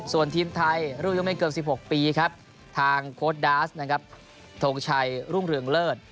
ส่วนทีมไทยรุ่นยังไม่เกิน๑๖ปีครับทางโค้ดดาสนะครับทงชัยรุ่งเรืองเลิศ